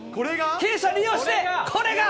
傾斜利用して、これが。